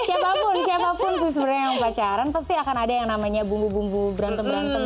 siapapun siapapun sih sebenarnya yang pacaran pasti akan ada yang namanya bumbu bumbu berantem berantem